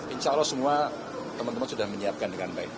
insya allah semua teman teman sudah menyiapkan dengan baik